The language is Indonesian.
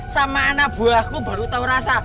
sama anak buahku baru tahu rasa